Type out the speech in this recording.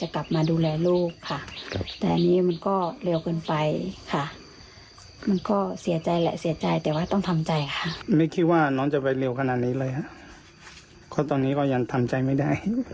ครอบครัวบอกนะคะ